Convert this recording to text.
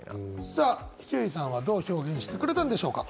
さあひゅーいさんはどう表現してくれたんでしょうか？